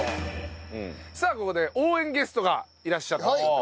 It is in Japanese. さあここで応援ゲストがいらっしゃっております。